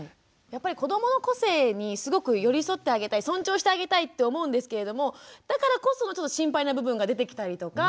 やっぱり子どもの個性にすごく寄り添ってあげたい尊重してあげたいって思うんですけれどもだからこそちょっと心配な部分が出てきたりとか。